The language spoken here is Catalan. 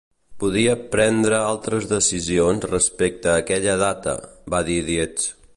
"Podia prendre altres decisions respecte a aquella data", va dir Dietz.